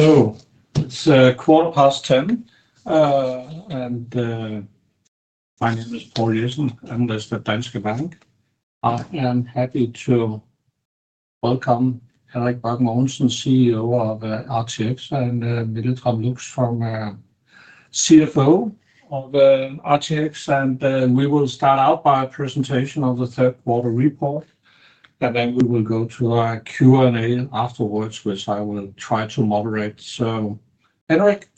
It is a quarter past 10:00, and my name is Poul Jessen, and this is Danske Bank. I am happy to welcome Henrik Mørck Mogensen, CEO of RTX Corporation, and Mille Tram Lux, CFO of RTX Corporation. We will start out by a presentation of the third quarter report, and then we will go to a Q&A afterwards, which I will try to moderate. Henrik,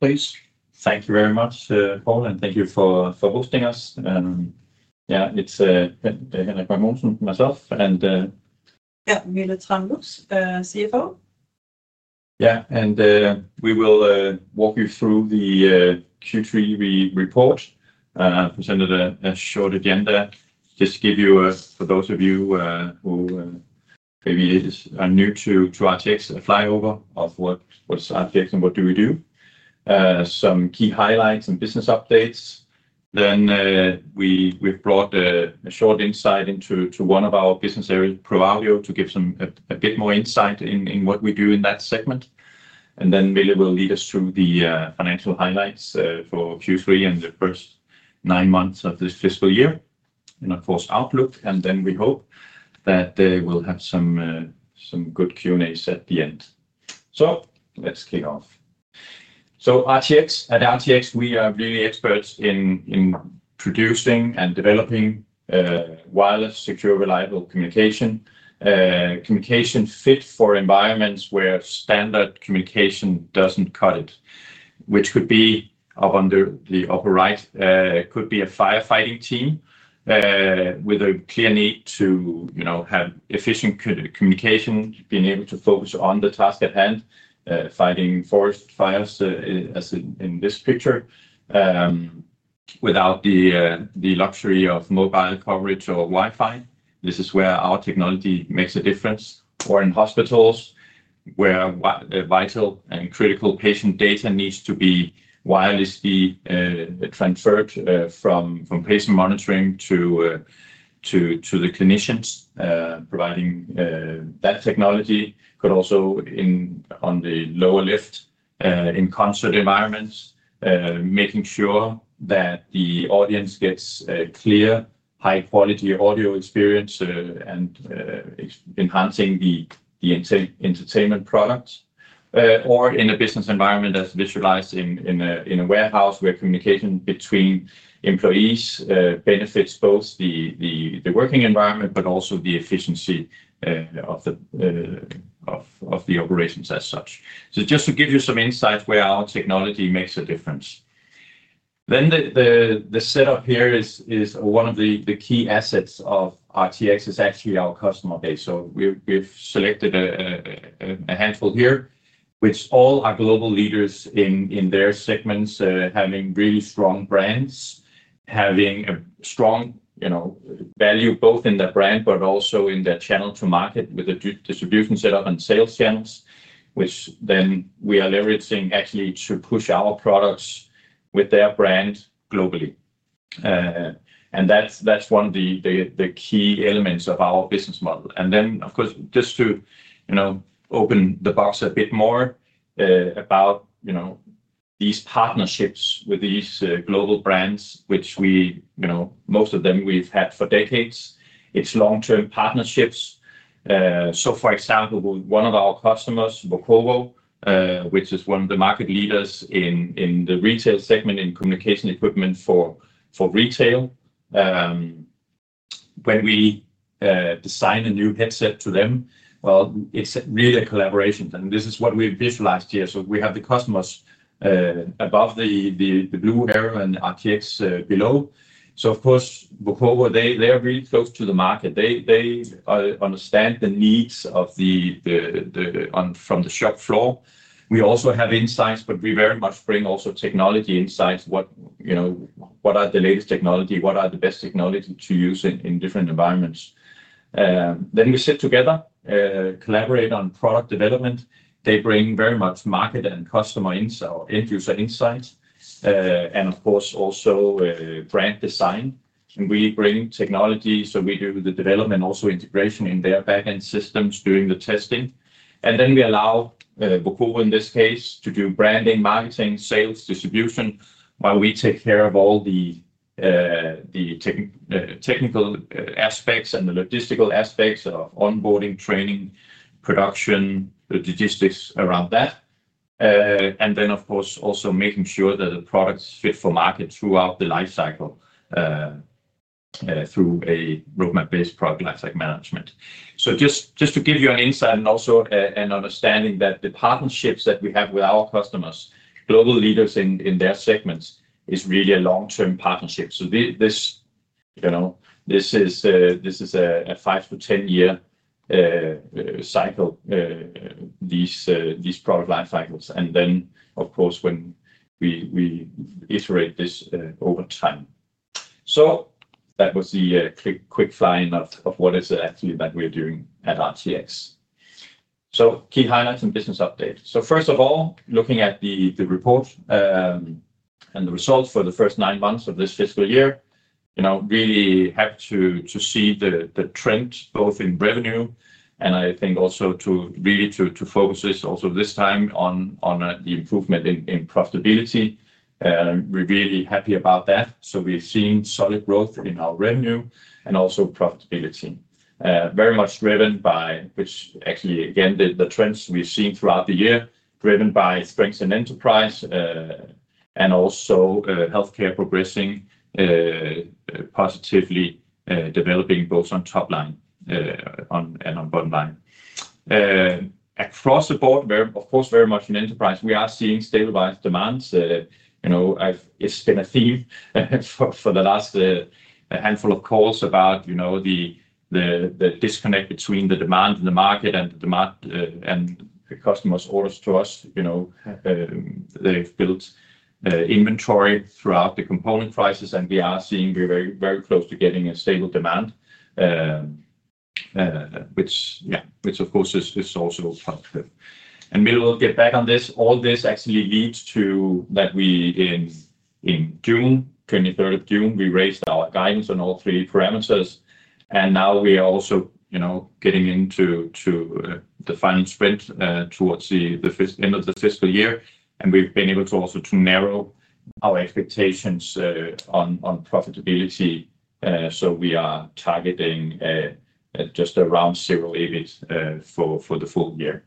please. Thank you very much, Poul, and thank you for hosting us. Yeah, it's Henrik Mørck Mogensen, myself, and... Yeah, Mille Tram Lux, CFO. Yeah, and we will walk you through the Q3 report. I presented a short agenda. Just to give you, for those of you who maybe are new to RTX, a flyover of what is RTX and what do we do. Some key highlights and business updates. We brought a short insight into one of our business areas, ProAudio, to give some a bit more insight into what we do in that segment. Mille will lead us through the financial highlights for Q3 and the first nine months of this fiscal year. Of course, outlook. We hope that we'll have some good Q&As at the end. Let's kick off. At RTX, we are really experts in producing and developing wireless, secure, reliable communication. Communication fit for environments where standard communication doesn't cut it, which could be under the upper right. It could be a firefighting team with a clear need to have efficient communication, being able to focus on the task at hand, fighting forest fires, as in this picture, without the luxury of mobile coverage or Wi-Fi. This is where our technology makes a difference. Or in hospitals, where the vital and critical patient data needs to be wirelessly transferred from patient monitoring to the clinicians, providing that technology. Also on the lower left, in concert environments, making sure that the audience gets a clear, high-quality audio experience and enhancing the entertainment product. In a business environment, as visualized in a warehouse, communication between employees benefits both the working environment and the efficiency of the operations as such. Just to give you some insight where our technology makes a difference. The setup here is one of the key assets of RTX is actually our customer base. We've selected a handful here, which all are global leaders in their segments, having really strong brands, having a strong value both in their brand and in their channel to market with a distribution setup and sales channels, which we are leveraging actually to push our products with their brand globally. That's one of the key elements of our business model. Just to open the box a bit more about these partnerships with these global brands, which most of them we've had for decades. It's long-term partnerships. For example, one of our customers, VoCoVo, which is one of the market leaders in the retail segment in communication equipment for retail, when we design a new headset for them, it's really a collaboration. This is what we visualized here. We have the customers above the blue arrow and RTX below. Of course, VoCoVo, they are really close to the market. They understand the needs of the shop floor. We also have insights, but we very much bring also technology insights. What are the latest technology? What are the best technology to use in different environments? We sit together, collaborate on product development. They bring very much market and customer insight, end user insight, and of course, also brand design. We bring technology, so we do the development, also integration in their backend systems during the testing. We allow VoCoVo, in this case, to do branding, marketing, sales, distribution, while we take care of all the technical aspects and the logistical aspects of onboarding, training, production, logistics around that. Of course, also making sure that the product is fit for market throughout the lifecycle through a roadmap-based product lifecycle management. Just to give you an insight and also an understanding that the partnerships that we have with our customers, global leaders in their segments, is really a long-term partnership. This is a five to ten-year cycle, these product lifecycles. When we iterate this over time. That was the quickfire of what is actually that we're doing at RTX. Key highlights and business updates. First of all, looking at the report and the results for the first nine months of this fiscal year, really happy to see the trend both in revenue, and I think also to really focus this also this time on the improvement in profitability. We're really happy about that. We've seen solid growth in our revenue and also profitability, very much driven by, which actually, again, the trends we've seen throughout the year, driven by strength in enterprise and also healthcare progressing, positively developing both on top line and on bottom line. Across the board, very much in enterprise, we are seeing stabilized demands. It's been a theme for the last handful of calls about the disconnect between the demand in the market and the demand and customers' orders to us. They've built inventory throughout the component crisis, and we are seeing we're very close to getting a stable demand, which, yeah, which of course is also profitable. Mille will get back on this. All this actually leads to that we in June, 23rd of June, we raised our guidance on all three parameters. Now we are also, you know, getting into the final sprint towards the end of the fiscal year. We've been able to also narrow our expectations on profitability. We are targeting just around zero EBIT for the full year.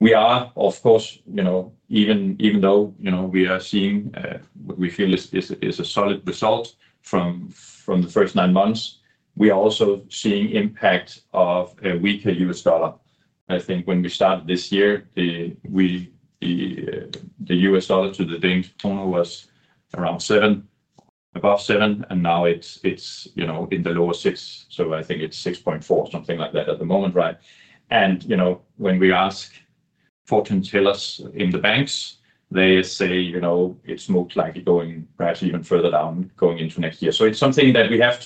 We are, of course, you know, even though, you know, we are seeing what we feel is a solid result from the first nine months, we are also seeing the impact of a weaker U.S. dollar. I think when we started this year, the U.S. dollar to the Danish krone was around seven, above seven, and now it's, you know, in the lower six. I think it's 6.4, something like that at the moment, right? When we ask Fortune tellers in the banks, they say, you know, it's more like going perhaps even further down going into next year. It's something that we have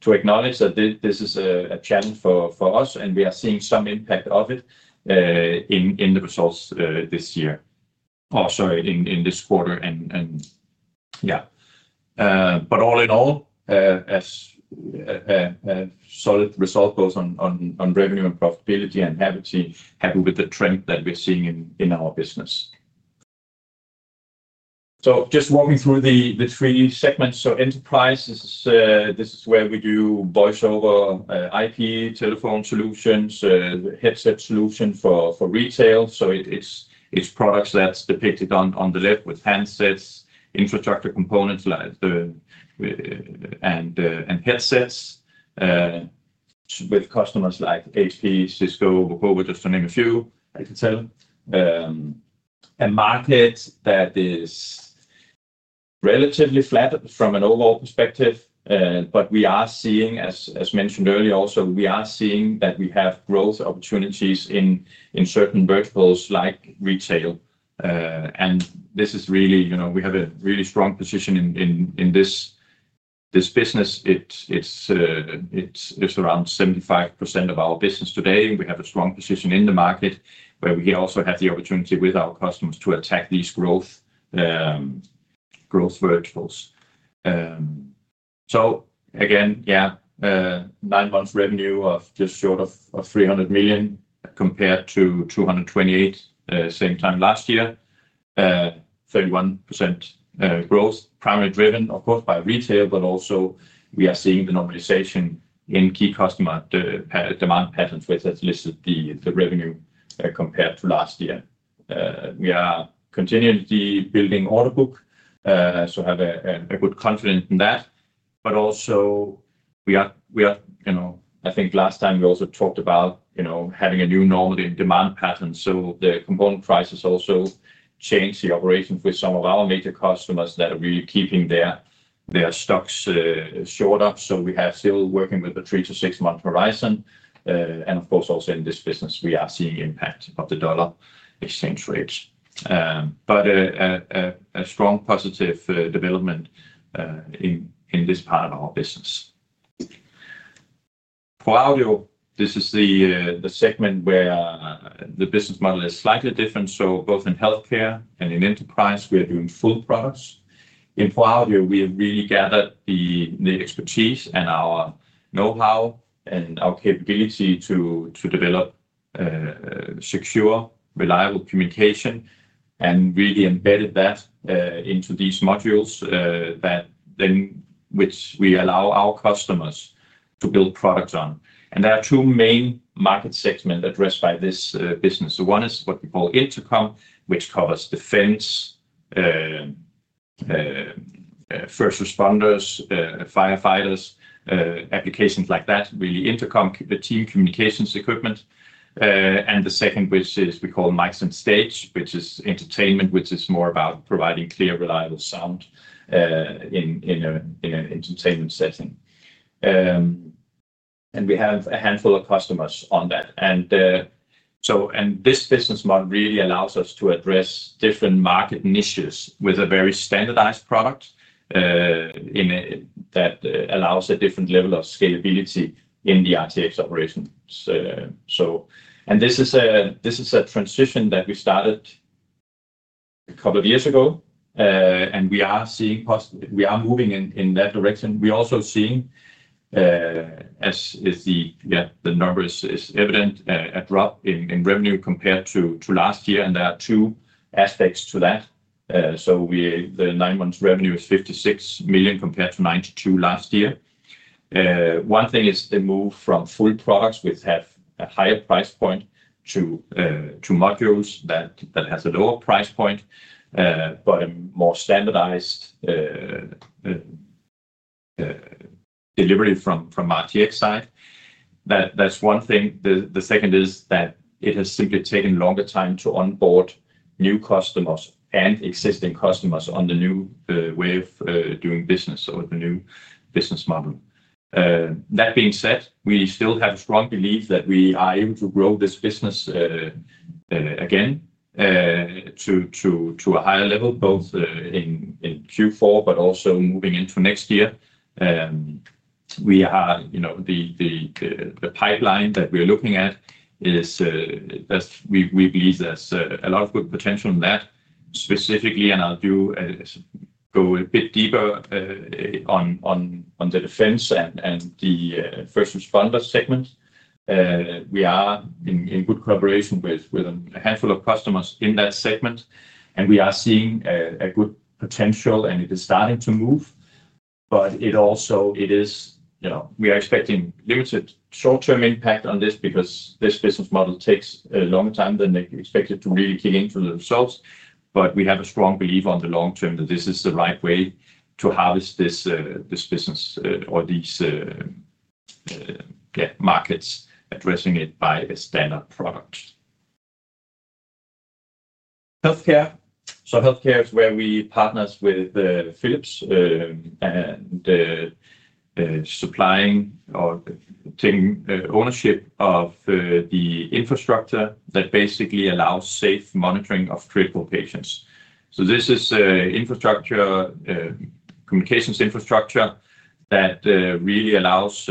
to acknowledge that this is a challenge for us, and we are seeing some impact of it in the results this year. Oh, sorry, in this quarter. All in all, a solid result goes on revenue and profitability, and happy with the trend that we're seeing in our business. Just walking through the three segments. Enterprise, this is where we do voice-over-IP telephone solutions, headset solutions for retail. It's products that's depicted on the left with handsets, infrastructure components, and headsets with customers like HP, Cisco, VoCoVo, just to name a few, I can tell. A market that is relatively flat from an overall perspective, but we are seeing, as mentioned earlier, also we are seeing that we have growth opportunities in certain verticals like retail. This is really, you know, we have a really strong position in this business. It's around 75% of our business today. We have a strong position in the market where we also have the opportunity with our customers to attack these growth verticals. Again, yeah, nine months revenue of just short of 300 million compared to 228 million, same time last year, 31% growth, primarily driven, of course, by retail, but also we are seeing the normalization in key customer demand patterns, which has lifted the revenue compared to last year. We are continuing to deep building order book, so I have a good confidence in that. We are, you know, I think last time we also talked about having a new normal in demand pattern. The component prices also change the operations with some of our major customers that are really keeping their stocks short of. We are still working with the three to six month horizon. Of course, also in this business, we are seeing the impact of the dollar exchange rate. There is a strong positive development in this part of our business. ProAudio, this is the segment where the business model is slightly different. Both in healthcare and in enterprise, we are doing full products. In ProAudio, we have really gathered the expertise and our know-how and our capability to develop secure, reliable communication and really embedded that into these modules that then we allow our customers to build products on. There are two main market segments addressed by this business. One is what we call intercom, which covers defense, first responders, firefighters, applications like that, really intercom, the team communications equipment. The second, which we call micro stage, is entertainment, which is more about providing clear, reliable sound in an entertainment setting. We have a handful of customers on that. This business model really allows us to address different market niches with a very standardized product that allows a different level of scalability in the RTX operations. This is a transition that we started a couple of years ago, and we are seeing we are moving in that direction. We are also seeing, as the number is evident, a drop in revenue compared to last year. There are two aspects to that. The nine months revenue is 56 million compared to 92 million last year. One thing is the move from full products with a higher price point to modules that have a lower price point, but a more standardized delivery from RTX side. That is one thing. The second is that it has simply taken a longer time to onboard new customers and existing customers on the new way of doing business or the new business model. That being said, we still have a strong belief that we are able to grow this business again to a higher level, both in Q4, but also moving into next year. The pipeline that we're looking at is that we believe there's a lot of good potential in that. Specifically, I'll go a bit deeper on the defense and the first responder segment. We are in good collaboration with a handful of customers in that segment, and we are seeing a good potential, and it is starting to move. It is, you know, we are expecting limited short-term impact on this because this business model takes a longer time than expected to really kick into the results. We have a strong belief on the long term that this is the right way to harvest this business or these, yeah, markets, addressing it by a standard product. Healthcare is where we partner with Philips and supplying or taking ownership of the infrastructure that basically allows safe monitoring of critical patients. This is an infrastructure, communications infrastructure that really allows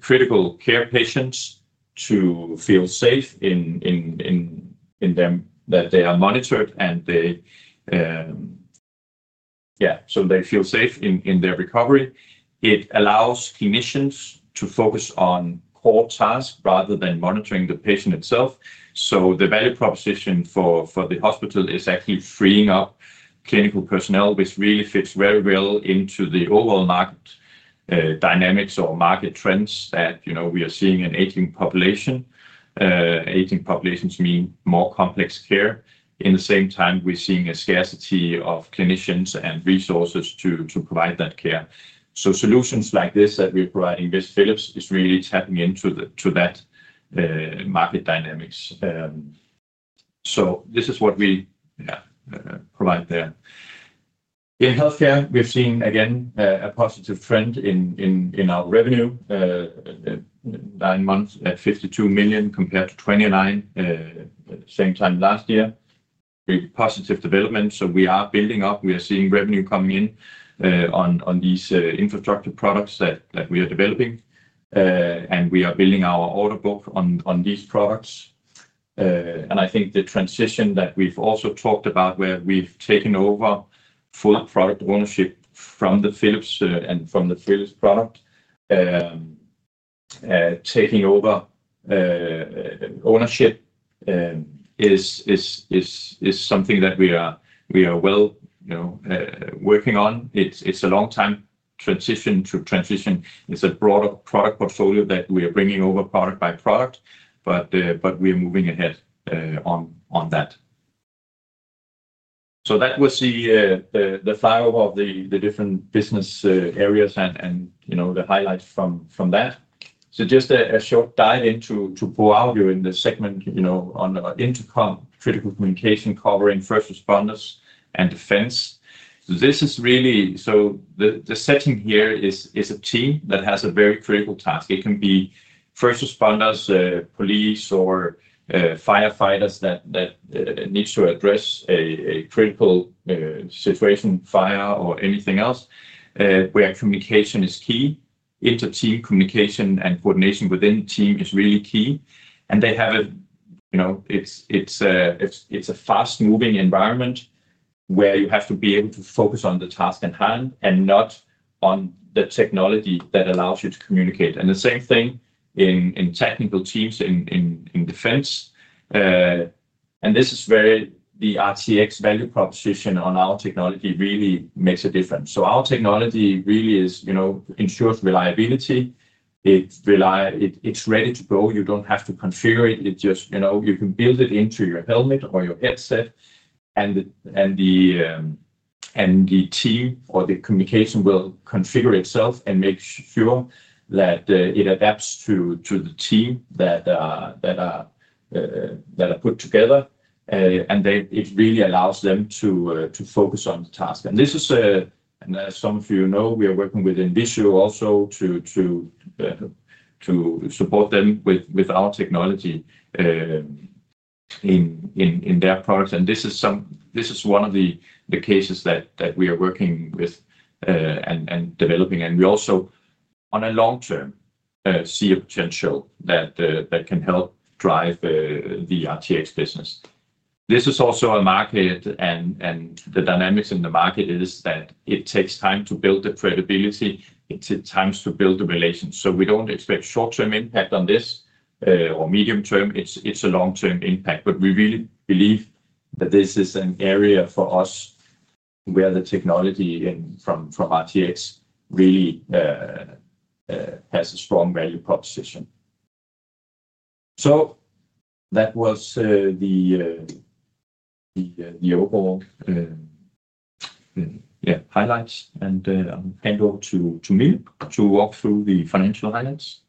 critical care patients to feel safe in them, that they are monitored and they, yeah, so they feel safe in their recovery. It allows clinicians to focus on core tasks rather than monitoring the patient itself. The value proposition for the hospital is actually freeing up clinical personnel, which really fits very well into the overall market dynamics or market trends that, you know, we are seeing in aging population. Aging populations mean more complex care. At the same time, we're seeing a scarcity of clinicians and resources to provide that care. Solutions like this that we're providing with Philips are really tapping into that market dynamics. This is what we provide there. In healthcare, we've seen again a positive trend in our revenue. Nine months at 52 million compared to 29 million, same time last year. Positive development. We are building up. We are seeing revenue coming in on these infrastructure products that we are developing. We are building our order book on these products. I think the transition that we've also talked about, where we've taken over full product ownership from Philips and from the Philips product, taking over ownership is something that we are well working on. It's a long time transition to transition. It's a broader product portfolio that we are bringing over product by product, but we're moving ahead on that. That was the flyover of the different business areas and the highlights from that. Just a short dive into ProAudio in the segment, you know, on intercom, critical communication, covering first responders and defense. The setting here is a team that has a very critical task. It can be first responders, police or firefighters that need to address a critical situation, fire or anything else, where communication is key. Interteam communication and coordination within the team is really key. They have a fast-moving environment where you have to be able to focus on the task at hand and not on the technology that allows you to communicate. The same thing in technical teams in defense. This is where the RTX value proposition on our technology really makes a difference. Our technology really ensures reliability. It's ready to go. You don't have to configure it. You can build it into your helmet or your headset, and the team or the communication will configure itself and make sure that it adapts to the team that are put together. It really allows them to focus on the task. As some of you know, we are working with Invisio also to support them with our technology in their products. This is one of the cases that we are working with and developing. We also, on a long term, see a potential that can help drive the RTX business. This is also a market, and the dynamics in the market is that it takes time to build the credibility. It takes time to build the relations. We don't expect short-term impact on this or medium term. It's a long-term impact. We really believe that this is an area for us where the technology from RTX really has a strong value proposition. That was the overall highlights. I'll hand over to Mille to walk through the financial highlights.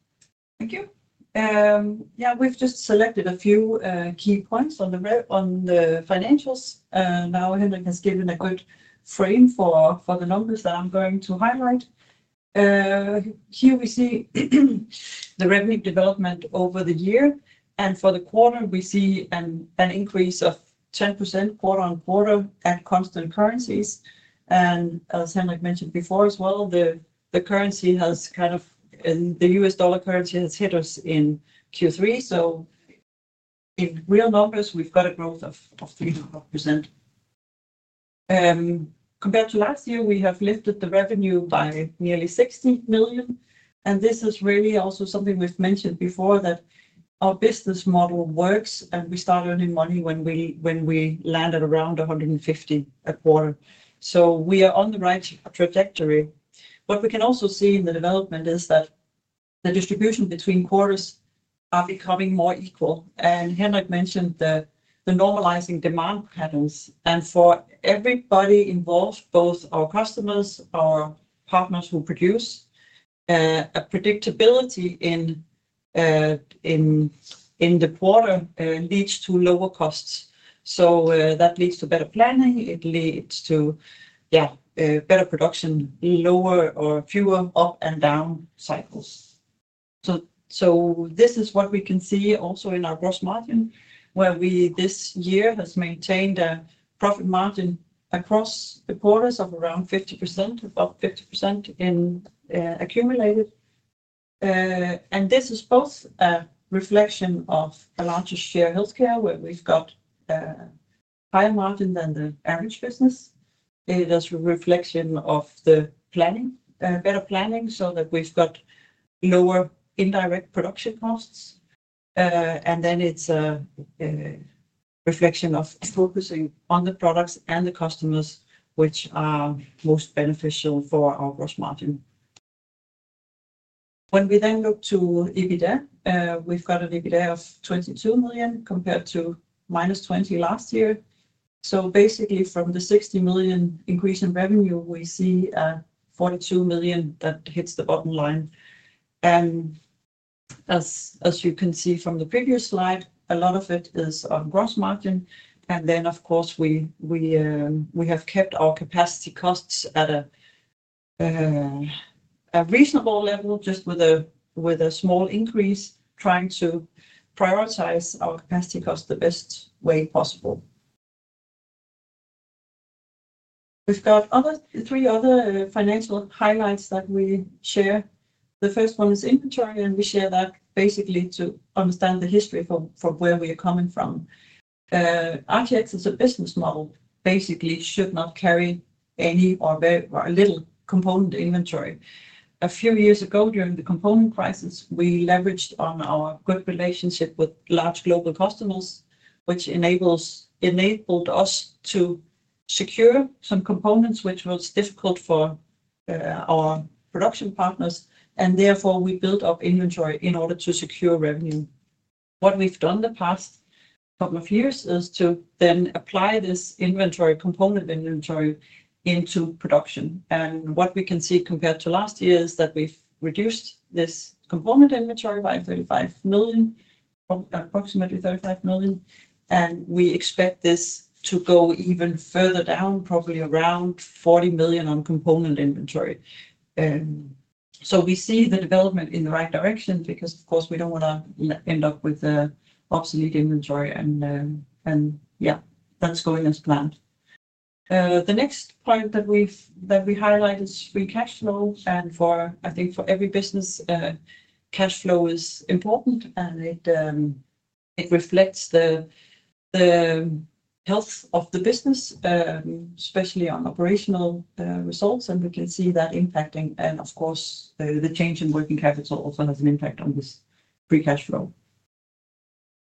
Thank you. Yeah, we've just selected a few key points on the financials. Now, Henrik has given a good frame for the numbers that I'm going to highlight. Here we see the revenue development over the year. For the quarter, we see an increase of 10% quarter on quarter at constant currencies. As Henrik mentioned before as well, the currency has kind of, the U.S. dollar currency has hit us in Q3. In real numbers, we've got a growth of [3.5%]. Compared to last year, we have lifted the revenue by nearly 60 million. This is really also something we've mentioned before that our business model works, and we start earning money when we land at around 150 million a quarter. We are on the right trajectory. What we can also see in the development is that the distribution between quarters is becoming more equal. Henrik mentioned the normalizing demand patterns. For everybody involved, both our customers, our partners who produce, a predictability in the quarter leads to lower costs. That leads to better planning. It leads to better production, lower or fewer up and down cycles. This is what we can see also in our gross margin, where we this year have maintained a profit margin across the quarters of around 50%, above 50% in accumulated. This is both a reflection of a larger share healthcare, where we've got a higher margin than the average business. It is a reflection of the planning, better planning, so that we've got lower indirect production costs. Then it's a reflection of focusing on the products and the customers, which are most beneficial for our gross margin. When we then look to EBITDA, we've got an EBITDA of 22 million compared to -20 million last year. Basically, from the 60 million increase in revenue, we see 42 million that hits the bottom line. As you can see from the previous slide, a lot of it is on gross margin. Of course, we have kept our capacity costs at a reasonable level, just with a small increase, trying to prioritize our capacity costs the best way possible. We've got three other financial highlights that we share. The first one is inventory, and we share that basically to understand the history from where we are coming from. RTX as a business model basically should not carry any or a little component inventory. A few years ago, during the component crisis, we leveraged on our good relationship with large global customers, which enabled us to secure some components, which was difficult for our production partners. Therefore, we built up inventory in order to secure revenue. What we've done in the past couple of years is to then apply this inventory, component inventory into production. What we can see compared to last year is that we've reduced this component inventory by 35 million, approximately 35 million. We expect this to go even further down, probably around 40 million on component inventory. We see the development in the right direction because, of course, we don't want to end up with an obsolete inventory. That's going as planned. The next point that we highlight is free cash flow. For every business, cash flow is important, and it reflects the health of the business, especially on operational results. We can see that impacting, and the change in working capital also has an impact on this free cash flow.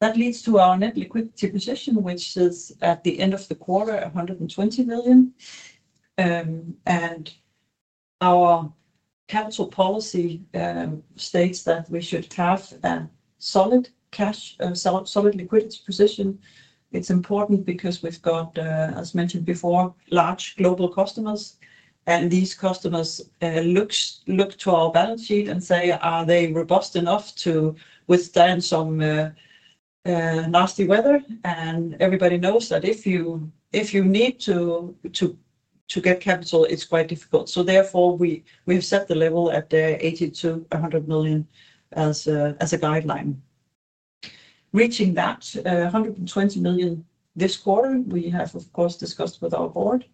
That leads to our net liquidity position, which is at the end of the quarter, 120 million. Our capital policy states that we should have a solid cash, solid liquidity position. It's important because we've got, as mentioned before, large global customers. These customers look to our balance sheet and say, are they robust enough to withstand some nasty weather? Everybody knows that if you need to get capital, it's quite difficult. Therefore, we have set the level at 82 million-100 million as a guideline. Reaching that 120 million this quarter, we have discussed with our board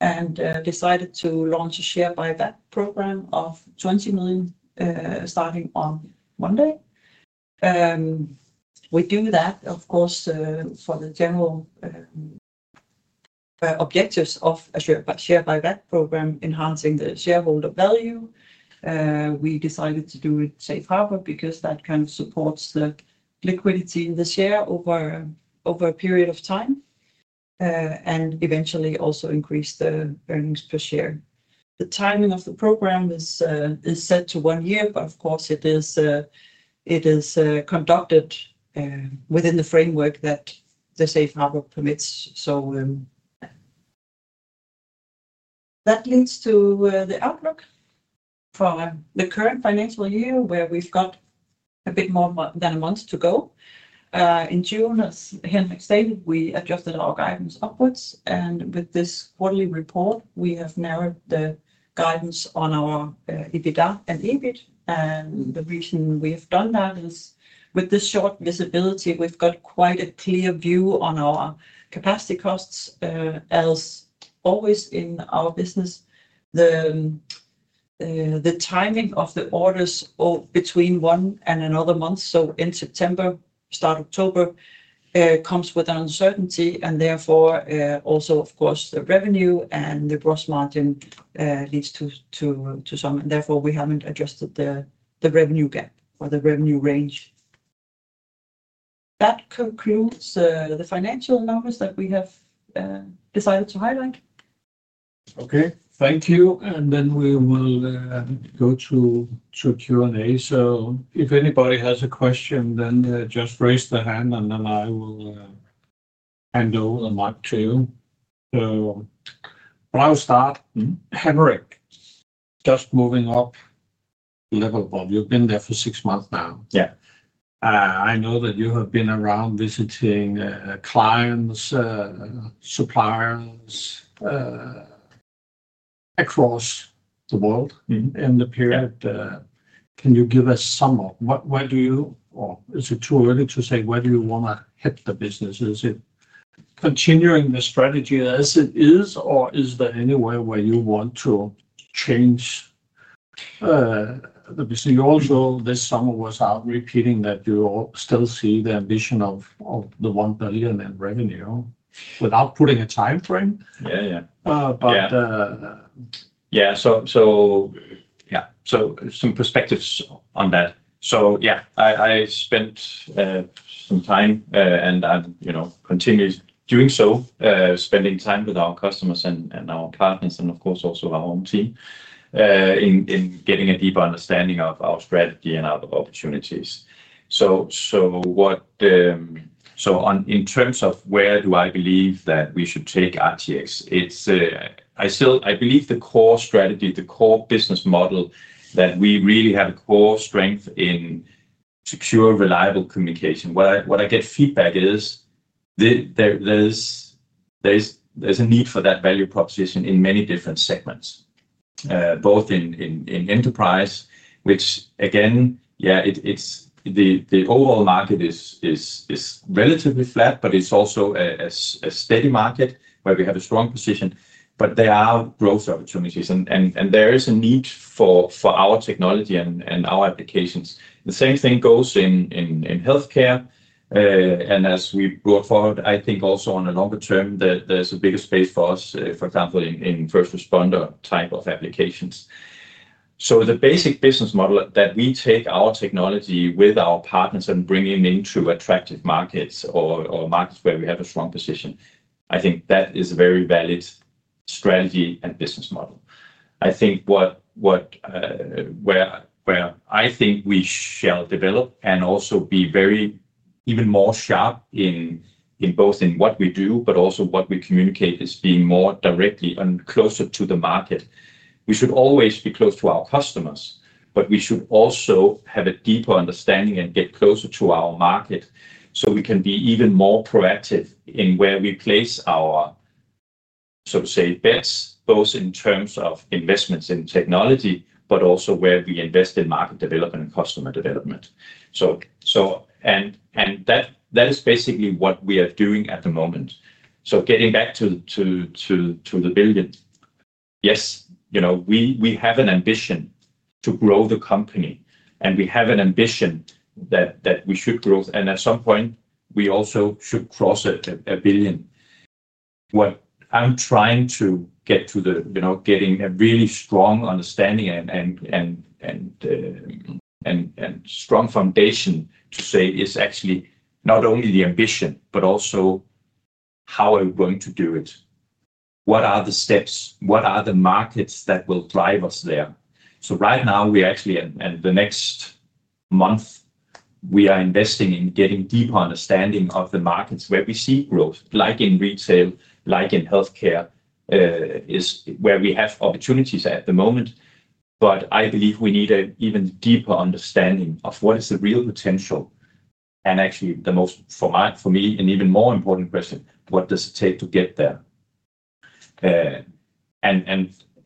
and decided to launch a share buyback program of 20 million, starting on Monday. We do that for the general objectives of a share buyback program, enhancing the shareholder value. We decided to do it safe harbor because that kind of supports the liquidity in the share over a period of time and eventually also increased the earnings per share. The timing of the program is set to one year, but it is conducted within the framework that the safe harbor permits. That leads to the outlook for the current financial year, where we've got a bit more than a month to go. In June, as Henrik stated, we adjusted our guidance upwards. With this quarterly report, we have narrowed the guidance on our EBITDA and EBIT. The reason we've done that is with this short visibility, we've got quite a clear view on our capacity costs. As always in our business, the timing of the orders between one and another month, in September, start October, comes with uncertainty. Therefore, of course, the revenue and the gross margin leads to some. Therefore, we haven't adjusted the revenue gap or the revenue range. That concludes the financial numbers that we have decided to highlight. Okay. Thank you. We will go through Q&A. If anybody has a question, just raise the hand, and I will hand over the mic to you. I'll start. Henrik, just moving up a level above. You've been there for six months now. Yeah. I know that you have been around visiting clients, suppliers across the world in the period. Can you give us some of what do you, or is it too early to say where do you want to hit the business? Is it continuing the strategy as it is, or is there any way where you want to change the business? You also, this summer, was out repeating that you still see the ambition of the 1 billion in revenue without putting a time frame. Yeah, yeah. So some perspectives on that. I spent some time, and that continues, spending time with our customers and our partners, and of course, also our own team in getting a deeper understanding of our strategy and our opportunities. In terms of where do I believe that we should take RTX, I still believe the core strategy, the core business model that we really have a core strength in secure, reliable communication. What I get feedback is there's a need for that value proposition in many different segments, both in enterprise, which again, the overall market is relatively flat, but it's also a steady market where we have a strong position. There are growth opportunities, and there is a need for our technology and our applications. The same thing goes in healthcare. As we brought forward, I think also on a longer term, there's a bigger space for us, for example, in first responder type of applications. The basic business model that we take our technology with our partners and bring it into attractive markets or markets where we have a strong position, I think that is a very valid strategy and business model. Where I think we shall develop and also be even more sharp in both in what we do, but also what we communicate, is being more directly and closer to the market. We should always be close to our customers, but we should also have a deeper understanding and get closer to our market so we can be even more proactive in where we place our, so to say, bets, both in terms of investments in technology, but also where we invest in market development and customer development. That is basically what we are doing at the moment. Getting back to the billion, we have an ambition to grow the company, and we have an ambition that we should grow. At some point, we also should cross a billion. What I'm trying to get to, getting a really strong understanding and strong foundation to say is actually not only the ambition, but also how are we going to do it? What are the steps? What are the markets that will drive us there? Right now, we actually, and the next month, we are investing in getting a deeper understanding of the markets where we see growth, like in retail, like in healthcare, is where we have opportunities at the moment. I believe we need an even deeper understanding of what is the real potential. Actually, the most, for me, an even more important question, what does it take to get there?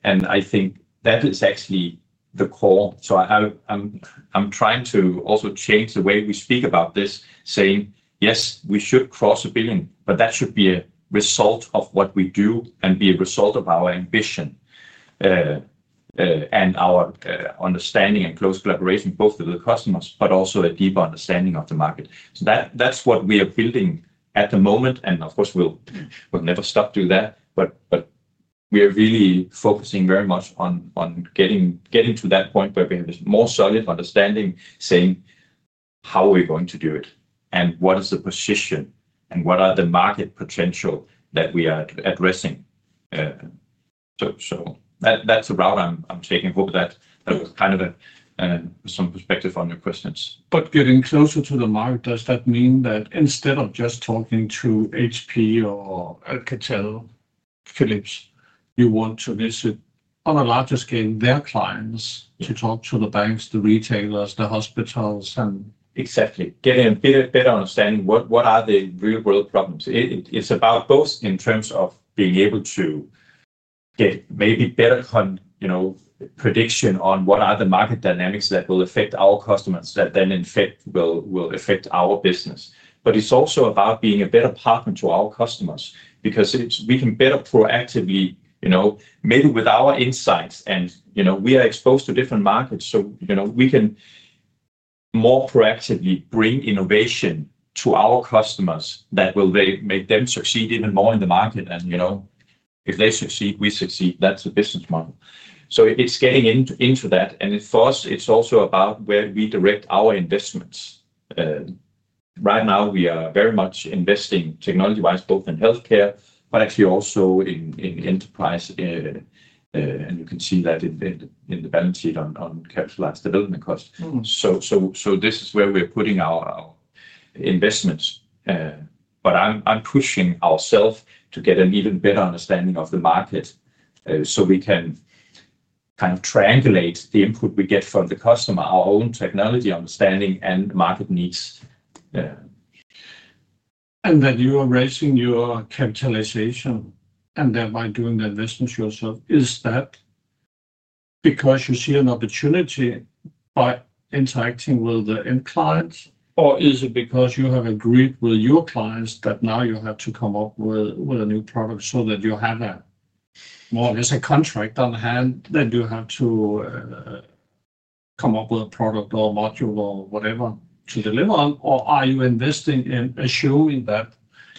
I think that is actually the core. I'm trying to also change the way we speak about this, saying, yes, we should cross a billion, but that should be a result of what we do and be a result of our ambition and our understanding and close collaboration both with the customers, but also a deeper understanding of the market. That's what we are building at the moment. Of course, we'll never stop doing that. We are really focusing very much on getting to that point where we have a more solid understanding, saying, how are we going to do it? What is the position? What are the market potentials that we are addressing? That's the route I'm taking. I hope that that was kind of some perspective on your questions. Getting closer to the market, does that mean that instead of just talking to HP or Philips, you want to visit on a larger scale their clients to talk to the banks, the retailers, the hospitals? Exactly. Get a bit better understanding of what are the real-world problems. It's about both in terms of being able to get maybe better prediction on what are the market dynamics that will affect our customers that then, in fact, will affect our business. It's also about being a better partner to our customers because we can better proactively, maybe with our insights. We are exposed to different markets, so we can more proactively bring innovation to our customers that will make them succeed even more in the market. If they succeed, we succeed. That's a business model. It's getting into that. For us, it's also about where we direct our investments. Right now, we are very much investing technology-wise, both in healthcare, but actually also in enterprise. You can see that in the balance sheet on capitalized development costs. This is where we're putting our investments. I'm pushing ourselves to get an even better understanding of the market so we can kind of triangulate the input we get from the customer, our own technology understanding, and market needs. You are raising your capitalization and thereby doing an investment to yourself. Is that because you see an opportunity by interacting with the end clients, or is it because you have agreed with your clients that now you have to come up with a new product so that you have more or less a contract on hand? You have to come up with a product or module or whatever to deliver on, or are you investing in assuring that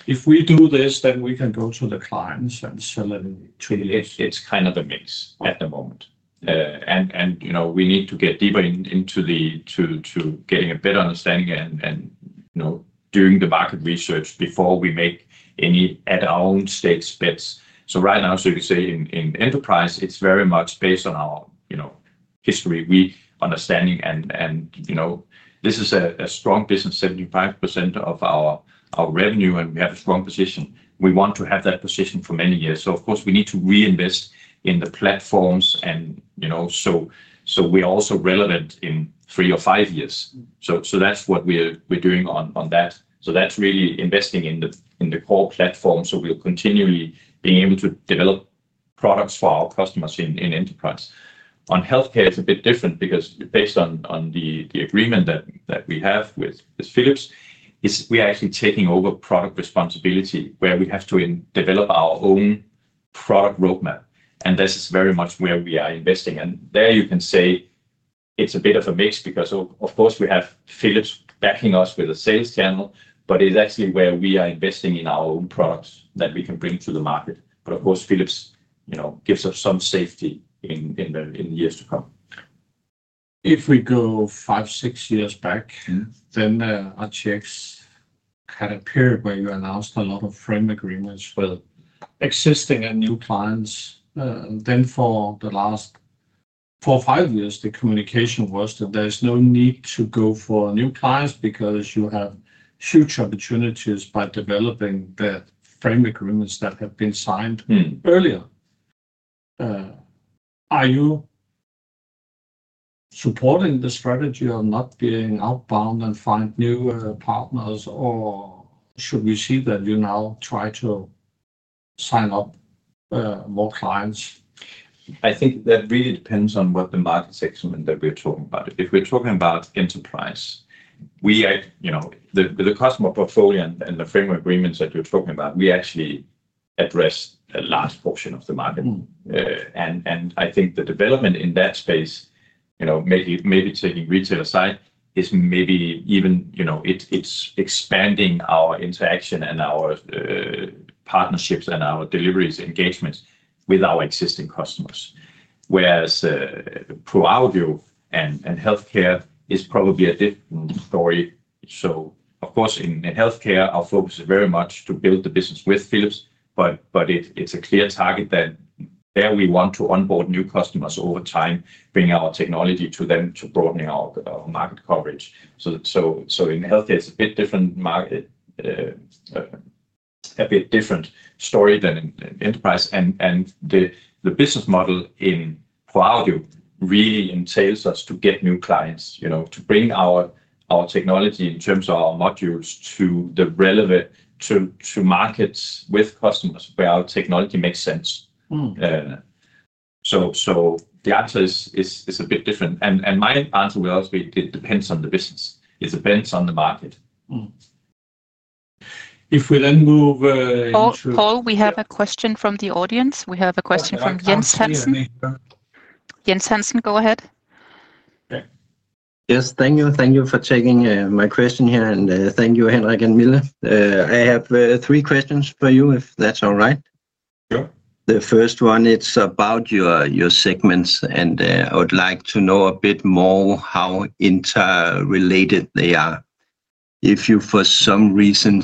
if we do this, then we can go to the clients and sell it to you? It's kind of a mix at the moment. You know, we need to get deeper into getting a better understanding and doing the market research before we make any at our own stakes bets. Right now, as you say, in enterprise, it's very much based on our history, understanding. This is a strong business, 75% of our revenue, and we have a strong position. We want to have that position for many years. Of course, we need to reinvest in the platforms. We are also relevant in three or five years. That's what we're doing on that. That's really investing in the core platform. We're continually being able to develop products for our customers in enterprise. On healthcare, it's a bit different because based on the agreement that we have with Philips, we are actually taking over product responsibility where we have to develop our own product roadmap. This is very much where we are investing. There you can say it's a bit of a mix because, of course, we have Philips backing us with a sales channel, but it's actually where we are investing in our own products that we can bring to the market. Of course, Philips gives us some safety in the years to come. If we go five, six years back, RTX had a period where you announced a lot of frame agreements with existing and new clients. For the last four or five years, the communication was that there's no need to go for new clients because you have huge opportunities by developing the frame agreements that have been signed earlier. Are you supporting the strategy or not being outbound and finding new partners, or should we see that you now try to sign up more clients? I think that really depends on what the market segment that we're talking about. If we're talking about enterprise, with the customer portfolio and the framework agreements that you're talking about, we actually address a large portion of the market. I think the development in that space, maybe taking retail aside, is maybe even expanding our interaction and our partnerships and our deliveries engagements with our existing customers. Whereas ProAudio and healthcare is probably a different story. In healthcare, our focus is very much to build the business with Philips. It's a clear target that there we want to onboard new customers over time, bring our technology to them to broaden our market coverage. In healthcare, it's a bit different story than in enterprise. The business model in ProAudio really entails us to get new clients, to bring our technology in terms of our modules to the relevant markets with customers where our technology makes sense. The answer is a bit different. My answer will also be it depends on the business. It depends on the market. If we then move. Poul, we have a question from the audience. We have a question from Jens Hansen. Jens Hansen, go ahead. Yes, thank you. Thank you for taking my question here. Thank you, Henrik and Mille. I have three questions for you, if that's all right. Sure. The first one, it's about your segments. I would like to know a bit more how interrelated they are. If you, for some reason,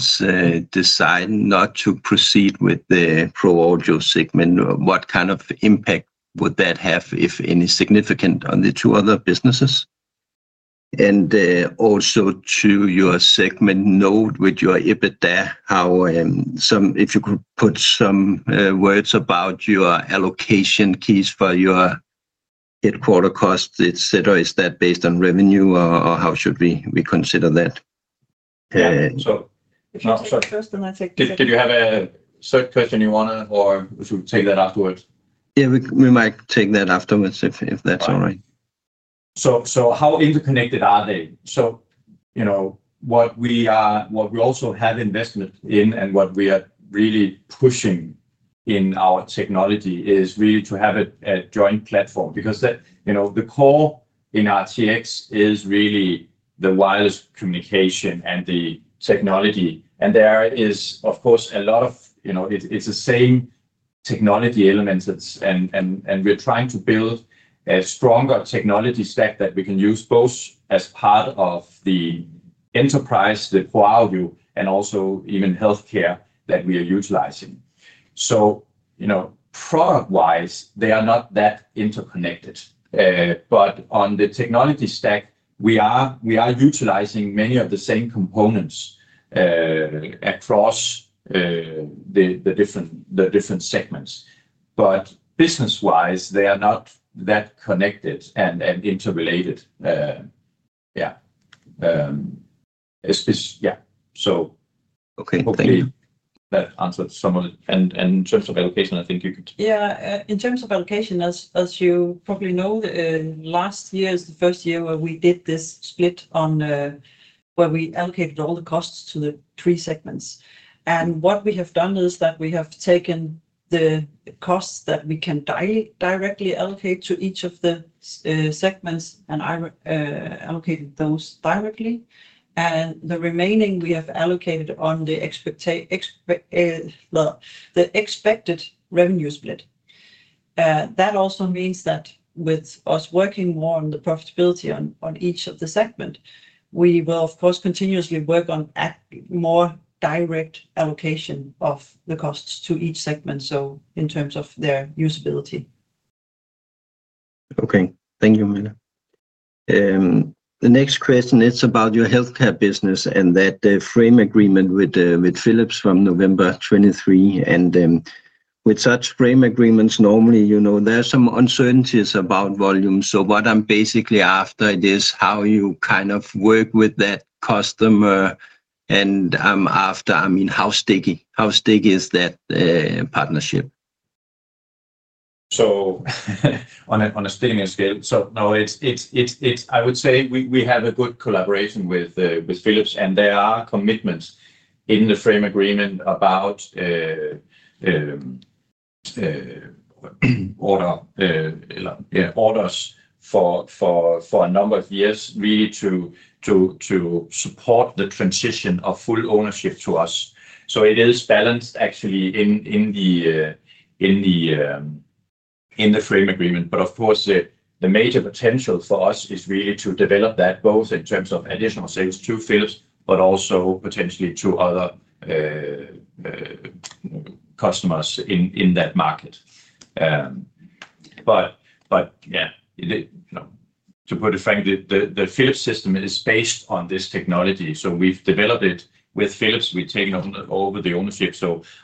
decide not to proceed with the ProAudio segment, what kind of impact would that have, if any, significant on the two other businesses? Also, to your segment note with your EBITDA, if you could put some words about your allocation keys for your headquarter costs, etc. Is that based on revenue, or how should we consider that? Yeah. If. Question, I think. Did you have a third question you want to, or would you take that afterwards? Yeah, we might take that afterwards, if that's all right. How interconnected are they? What we also have investment in and what we are really pushing in our technology is really to have a joint platform because the core in RTX is really the wireless communication and the technology. There is, of course, a lot of the same technology elements. We're trying to build a stronger technology stack that we can use both as part of the enterprise, the ProAudio, and also even healthcare that we are utilizing. Product-wise, they are not that interconnected. On the technology stack, we are utilizing many of the same components across the different segments. Business-wise, they are not that connected and interrelated. Yeah. Yeah. Okay. Thank you. Answered some of it. In terms of allocation, I think you could. Yeah. In terms of allocation, as you probably know, last year is the first year where we did this split on where we allocated all the costs to the three segments. What we have done is that we have taken the costs that we can directly allocate to each of the segments and allocated those directly. The remaining we have allocated on the expected revenue split. That also means that with us working more on the profitability on each of the segments, we will, of course, continuously work on more direct allocation of the costs to each segment, in terms of their usability. Okay. Thank you, Mille. The next question, it's about your healthcare business and the frame agreement with Philips from November 2023. With such frame agreements, normally, you know, there are some uncertainties about volume. What I'm basically after is how you kind of work with that customer. I'm after, I mean, how sticky is that partnership? On a stickiness scale, I would say we have a good collaboration with Philips, and there are commitments in the frame agreement about orders for a number of years, really to support the transition of full ownership to us. It is balanced, actually, in the frame agreement. The major potential for us is really to develop that both in terms of additional sales to Philips, but also potentially to other customers in that market. To put it frankly, the Philips system is based on this technology. We've developed it with Philips, and we've taken over the ownership.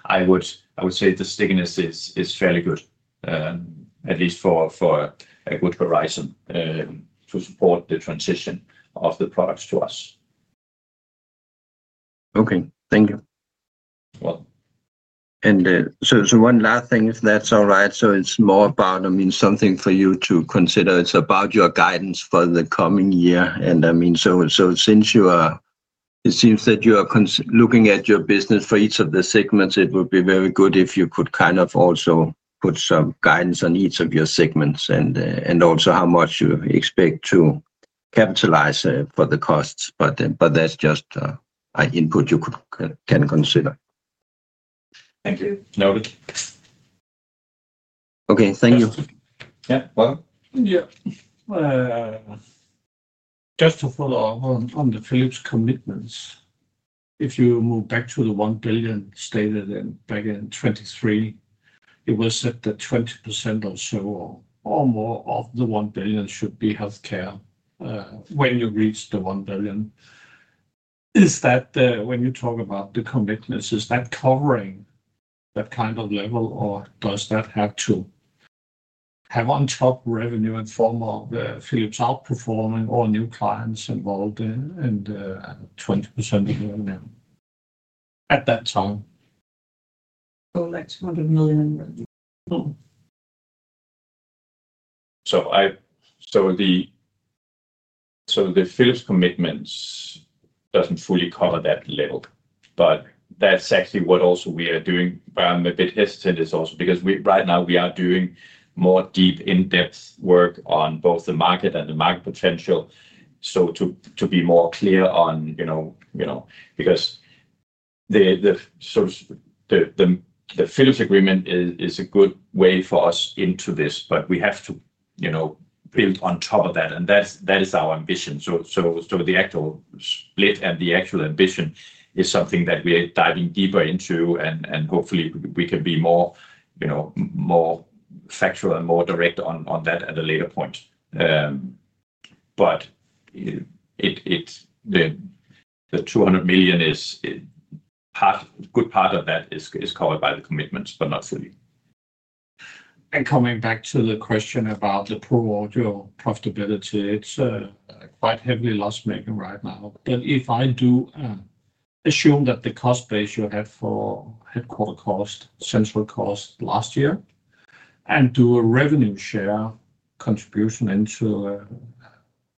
I would say the stickiness is fairly good, at least for a good horizon to support the transition of the products to us. Thank you. One last thing, if that's all right. It's more about something for you to consider. It's about your guidance for the coming year. Since you are looking at your business for each of the segments, it would be very good if you could also put some guidance on each of your segments and how much you expect to capitalize for the costs. That's just an input you could consider. Thank you. Okay, thank you. Yeah. Well. Just to follow up on the Philips commitments, if you move back to the 1 billion stated back in 2023, it was said that 20% or so or more of the 1 billion should be healthcare. When you reach the 1 billion, is that when you talk about the commitments, is that covering that kind of level, or does that have to have on top revenue in the form of Philips outperforming all new clients involved in and 20% even at that time? DKK 200 million. The Philips commitments don't fully cover that level. That's actually what we are doing. I'm a bit hesitant also because right now we are doing more in-depth work on both the market and the market potential. To be more clear, you know, because the Philips agreement is a good way for us into this, we have to build on top of that. That is our ambition. The actual split and the actual ambition is something that we are diving deeper into. Hopefully, we can be more factual and more direct on that at a later point. The 200 million, a good part of that is covered by the commitments, but not fully. Coming back to the question about the ProAudio profitability, it's a quite heavy loss making right now. If I do assume that the cost base you have for headquarter cost, central cost last year, and do a revenue share contribution into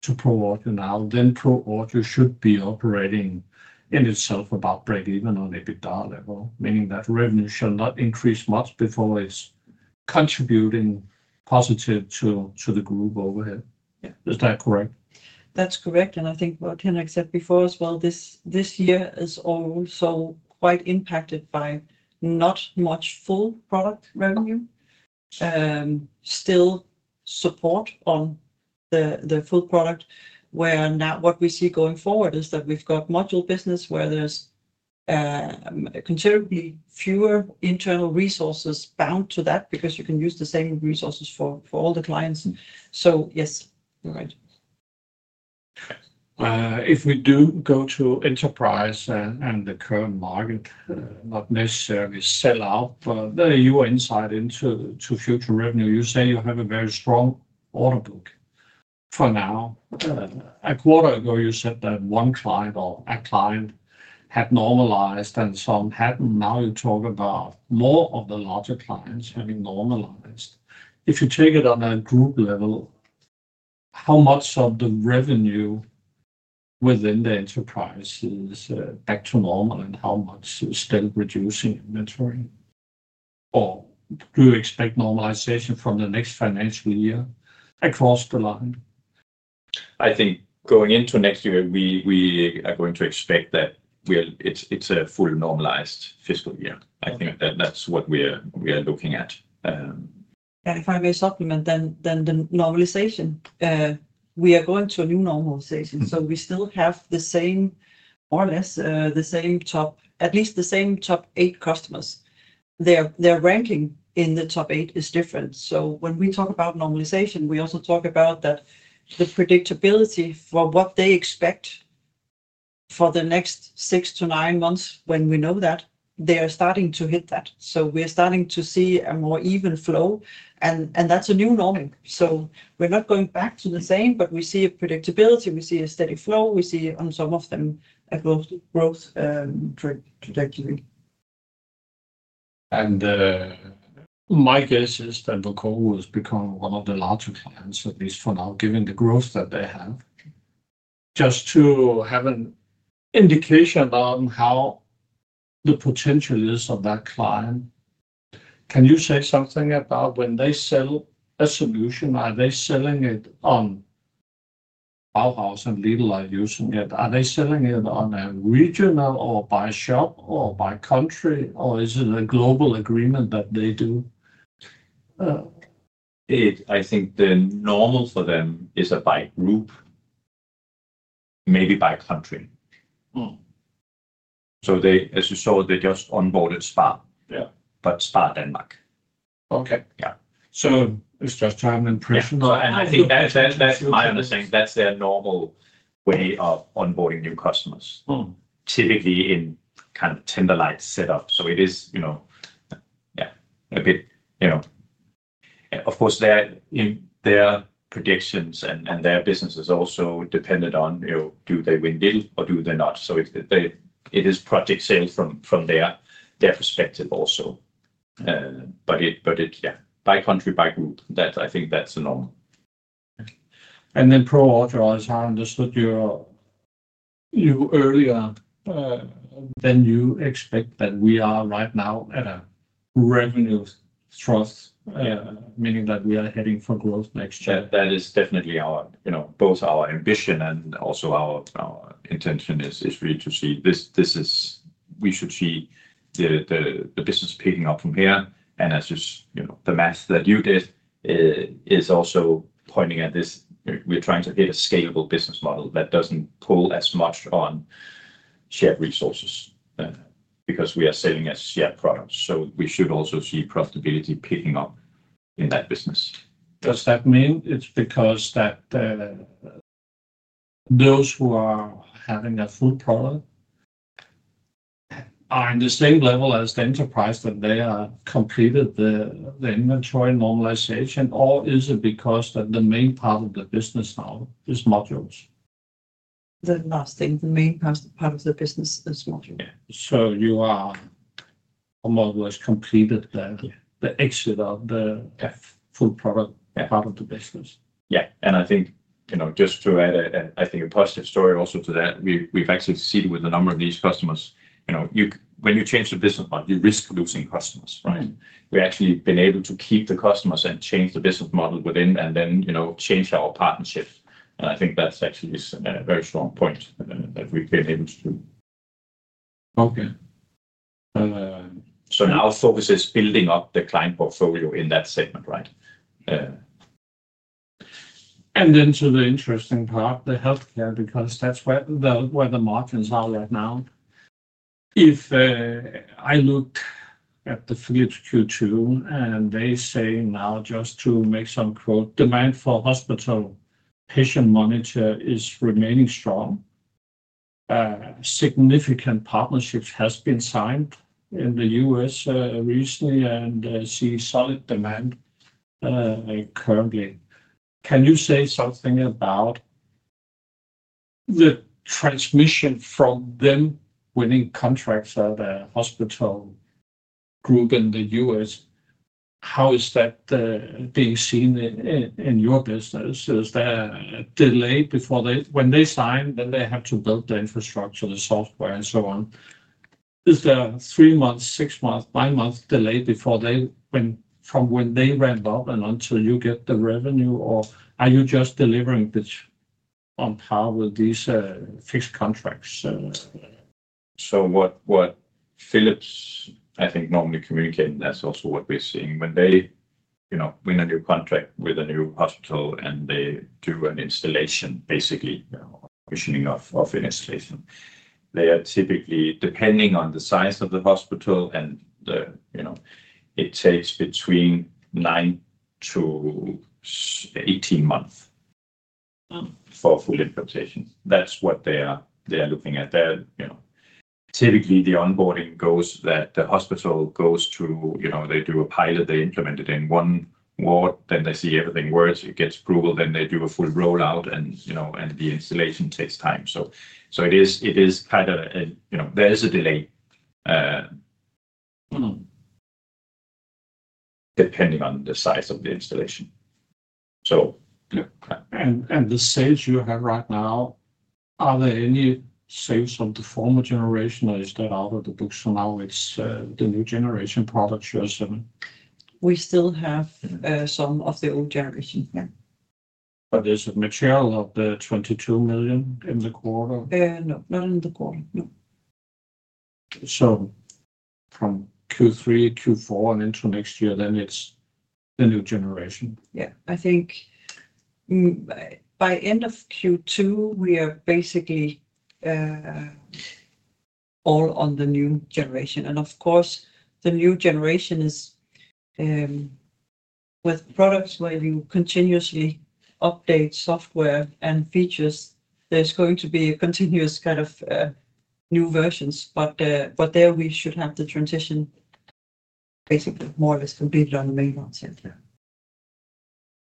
ProAudio now, then ProAudio should be operating in itself about break even on EBITDA level, meaning that revenue shall not increase much before it's contributing positive to the global overhead. Is that correct? That's correct. I think what Henrik said before as well, this year is also quite impacted by not much full product revenue, still support on the full product, where now what we see going forward is that we've got module business where there's considerably fewer internal resources bound to that because you can use the same resources for all the clients. Yes. If we do go to enterprise and the current market, not necessarily sell out, but your insight into future revenue, you say you have a very strong order book for now. A quarter ago, you said that one client or a client had normalized and some hadn't. Now you talk about more of the larger clients having normalized. If you take it on a group level, how much of the revenue within the enterprise is back to normal and how much is still reducing inventory? Do you expect normalization from the next financial year across the line? I think going into next year, we are going to expect that it's a fully normalized fiscal year. I think that's what we are looking at. If I may supplement, the normalization, we are going to a new normalization. We still have more or less the same top, at least the same top eight customers. Their ranking in the top eight is different. When we talk about normalization, we also talk about the predictability for what they expect for the next six to nine months when we know that they are starting to hit that. We are starting to see a more even flow, and that's a new norm. We are not going back to the same, but we see a predictability. We see a steady flow. We see on some of them a growth trajectory. My guess is that the goal is to become one of the larger clients, at least for now, given the growth that they have. Just to have an indication about how the potential is of that client, can you say something about when they sell a solution, are they selling it on Bauhaus and Lidl are using it? Are they selling it on a regional or by shop or by country, or is it a global agreement that they do? I think the normal for them is by group, maybe by country. As you saw, they just onboarded Spa, but Spa Denmark. Okay, yeah, it's just time and person. I understand that's their normal way of onboarding new customers, typically in kind of a tender-like setup. It is, of course, their predictions and their businesses are also dependent on, you know, do they win Lidl or do they not? It is project sales from their perspective also. By country, by group, I think that's the norm. ProAudio, as I understood you earlier, you expect that we are right now at a revenue thrust, meaning that we are heading for growth next year. That is definitely our ambition and also our intention is really to see this. We should see the business picking up from here. As you know, the math that you did is also pointing at this. We're trying to hit a scalable business model that doesn't pull as much on shared resources because we are selling as shared products. We should also see profitability picking up in that business. Does that mean it's because those who are having a full product are at the same level as the enterprise, that they have completed the inventory normalization, or is it because the main part of the business now is modules? The last thing, the main part of the business is modules. You are almost completed with the exit of the full product part of the business. Yeah, I think, just to add, I think a positive story also to that, we've actually succeeded with a number of these customers. You know, when you change the business model, you risk losing customers, right? We've actually been able to keep the customers and change the business model within, and then, you know, change our partnership. I think that's actually a very strong point that we've been able to do. Okay. And. Our service is building up the client portfolio in that segment, right? To the interesting part, the healthcare, because that's where the margins are right now. If I looked at the Philips Q2, and they say now, just to make some quote, demand for hospital patient monitor is remaining strong. Significant partnerships have been signed in the U.S. recently and see solid demand currently. Can you say something about the transmission from them winning contracts of the hospital group in the U.S.? How is that being seen in your business? Is there a delay before they, when they sign, then they have to build the infrastructure, the software, and so on? Is there a three-month, six-month, nine-month delay before they, from when they ramp up and until you get the revenue, or are you just delivering on par with these fixed contracts? What Philips, I think, normally communicates, and that's also what we're seeing. When they win a new contract with a new hospital and they do an installation, basically finishing off an installation, they are typically, depending on the size of the hospital, it takes between 9-18 months for full implementation. That's what they are looking at. Typically, the onboarding goes that the hospital goes through, they do a pilot, they implement it in one ward, then they see everything works, it gets approval, then they do a full rollout, and the installation takes time. It is quite a, there is a delay depending on the size of the installation. Are there any sales from the former generation that are still out of the books? Now it's the new generation products you're selling? We still have some of the old generation. Is it material of the 22 million in the quarter? No, not in the quarter. No. From Q3, Q4, and into next year, it's the new generation. I think by the end of Q2, we are basically all on the new generation. Of course, the new generation is with products where you continuously update software and features. There is going to be a continuous kind of new versions. There, we should have the transition basically more or less completed on the main content.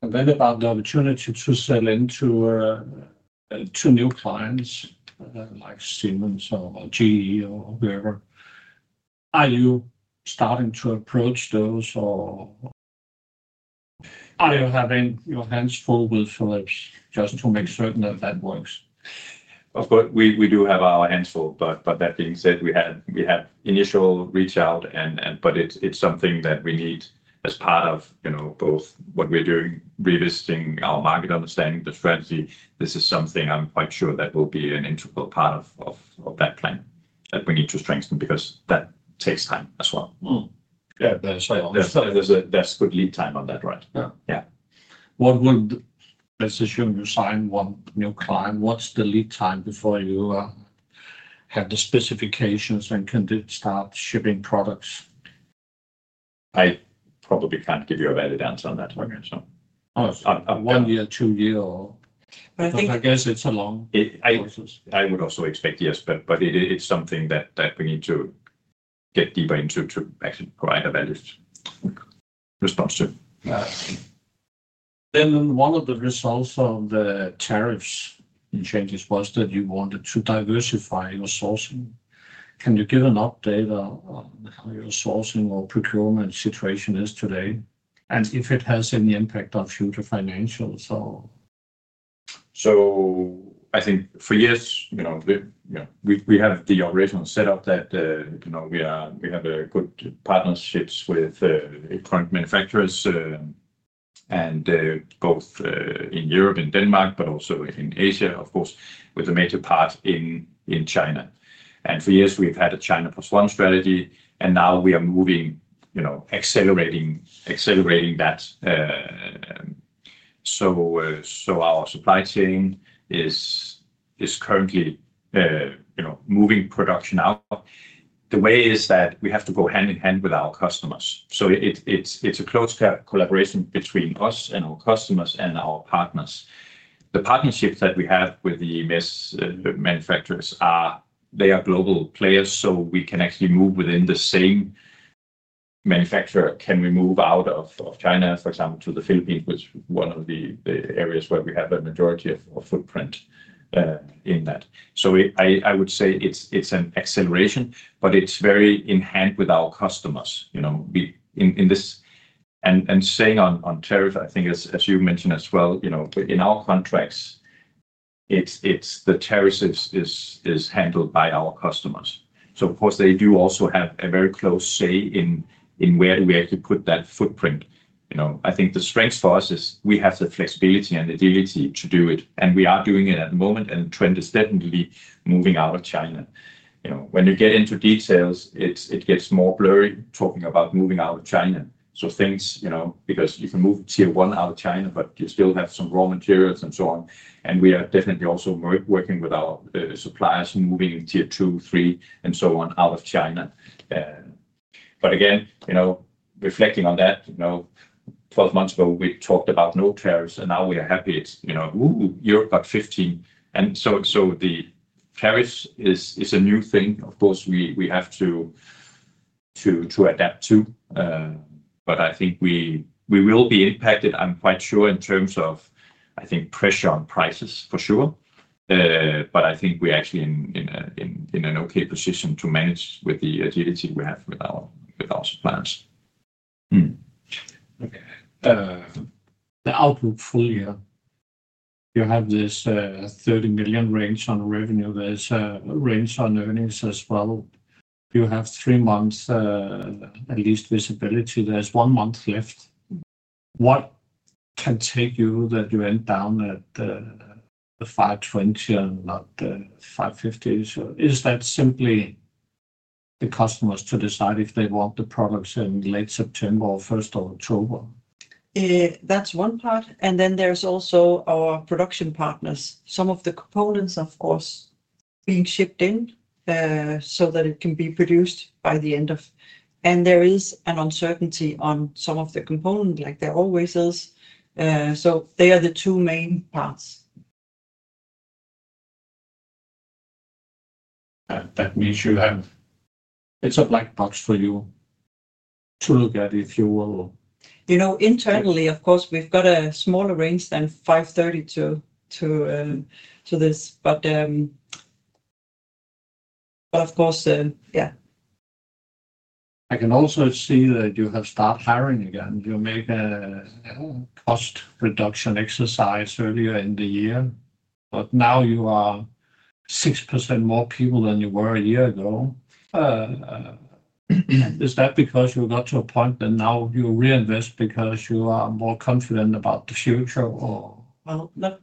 Regarding the opportunity to sell into new clients like Siemens or GE or whoever, are you starting to approach those, or are you having your hands full with Philips just to make certain that that works? We do have our hands full. That being said, we had initial reach out, but it's something that we need as part of both what we're doing, revisiting our market understanding, the strategy. This is something I'm quite sure that will be an integral part of that plan that we need to strengthen because that takes time as well. Yeah, that's very honest. There's a good lead time on that, right? Yeah. Yeah. Let's assume you sign one new client, what's the lead time before you have the specifications and can start shipping products? I probably can't give you a valid answer on that one. One year, two years, or I guess it's a long process. I would also expect yes, but it's something that we need to get deeper into to actually provide a valid response. One of the results of the tariffs changes was that you wanted to diversify your sourcing. Can you give an update on how your sourcing or procurement situation is today and if it has any impact on future financials? I think for years, we have the operational setup that we have good partnerships with current manufacturers both in Europe and Denmark, but also in Asia, of course, with a major part in China. For years, we've had a China plus one strategy, and now we are accelerating that. Our supply chain is currently moving production out. The way is that we have to go hand in hand with our customers. It's a close collaboration between us and our customers and our partners. The partnerships that we have with the EMS manufacturers are global players. We can actually move within the same manufacturer. We can move out of China, for example, to the Philippines, which is one of the areas where we have a majority of our footprint. I would say it's an acceleration, but it's very in hand with our customers in this. On tariff, I think, as you mentioned as well, in our contracts, the tariffs are handled by our customers. They do also have a very close say in where we actually put that footprint. I think the strength for us is we have the flexibility and agility to do it. We are doing it at the moment, and trend is definitely moving out of China. When you get into details, it gets more blurry talking about moving out of China, because you can move tier one out of China, but you still have some raw materials and so on. We are definitely also working with our suppliers moving in tier two, three, and so on out of China. Again, reflecting on that, 12 months ago, we talked about no tariffs, and now we are happy. It's, ooh, Europe got 15%. The tariffs are a new thing we have to adapt to. I think we will be impacted, I'm quite sure, in terms of pressure on prices for sure. I think we're actually in an okay position to manage with the agility we have with our suppliers. Okay. The outlook for you, you have this 30 million range on revenue. There's a range on earnings as well. You have three months at least visibility. There's one month left. What can take you that you end down at the 520 million and not the 550 million? Is that simply the customers to decide if they want the products in late September or first of October? That's one part. There are also our production partners, some of the components, of course, being shipped in so that it can be produced by the end of the year. There is an uncertainty on some of the components, like the raw ware cells. They are the two main parts. That means you have a black box for you to look at, if you will. Internally, of course, we've got a smaller range than 530 million to this. Of course, yeah. I can also see that you have started hiring again. You made a cost reduction exercise earlier in the year, but now you are 6% more people than you were a year ago. Is that because you got to a point that now you reinvest because you are more confident about the future or? The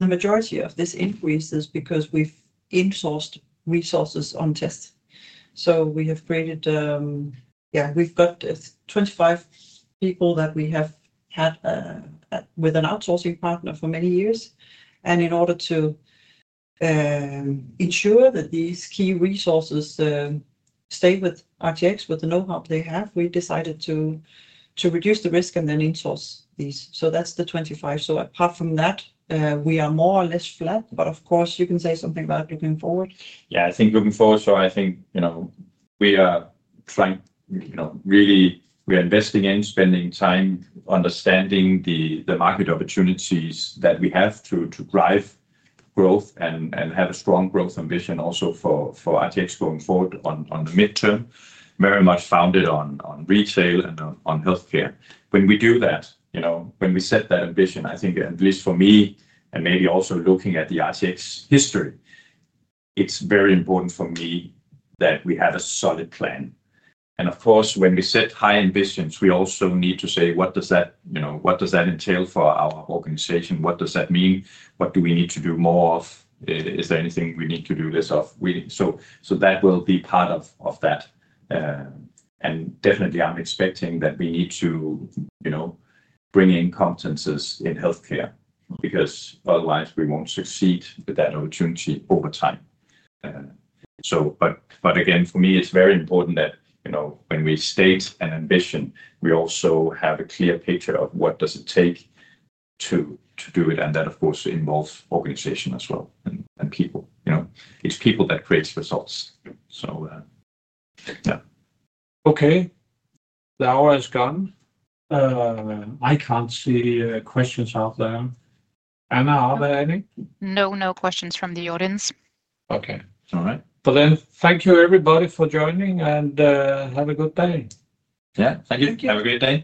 majority of this increase is because we've insourced resources on test. We have created, yeah, we've got 25 people that we have had with an outsourcing partner for many years. In order to ensure that these key resources stay with RTX with the know-how they have, we decided to reduce the risk and then insource these. That's the 25. Apart from that, we are more or less flat. Of course, you can say something about looking forward. Yeah, I think looking forward, we are trying, really, we're investing in spending time understanding the market opportunities that we have to drive growth and have a strong growth ambition also for RTX going forward on the midterm, very much founded on retail and on healthcare. When we do that, when we set that ambition, I think, at least for me, and maybe also looking at the RTX history, it's very important for me that we have a solid plan. Of course, when we set high ambitions, we also need to say, what does that entail for our organization? What does that mean? What do we need to do more of? Is there anything we need to do less of? That will be part of that. Definitely, I'm expecting that we need to bring in competencies in healthcare because otherwise, we won't succeed with that opportunity over time. Again, for me, it's very important that when we state an ambition, we also have a clear picture of what does it take to do it. That, of course, involves organization as well and people. It's people that create results. Okay. The hour is gone. I can't see questions out there. Anna, are there any? No, no questions from the audience. Okay. All right. Thank you, everybody, for joining, and have a good day. Yeah, thank you. Have a good day.